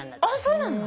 そうなの？